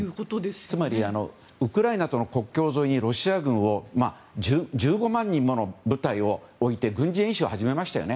つまりウクライナとの国境沿いにロシア軍を１５万人もの部隊を置いて軍事演習を始めましたよね。